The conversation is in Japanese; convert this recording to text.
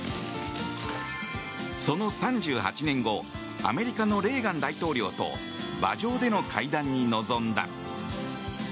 その３８年後アメリカのレーガン大統領と馬上での会談に臨んだ。